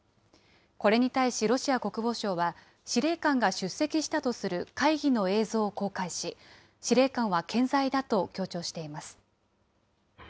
これに対しロシア国防省は、司令官が出席したとする会議の映像を公開し、司令官は健在だと強調しています。